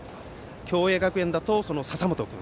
共栄学園だと笹本君。